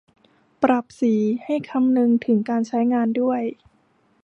ปรับสี ให้คำนึงถึงการใช้งานด้วย